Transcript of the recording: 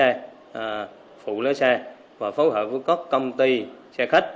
tập trung trong các lễ xe phụ lễ xe và phối hợp với các công ty xe khách